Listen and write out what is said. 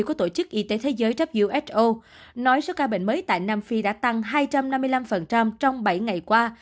của tổ chức y tế thế giới who nói số ca bệnh mới tại nam phi đã tăng hai trăm năm mươi năm trong bảy ngày qua